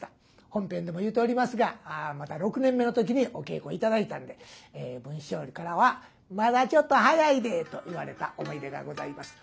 本編でも言うておりますがまだ６年目の時にお稽古頂いたんで文枝師匠からは「まだちょっと早いで」と言われた思い出がございます。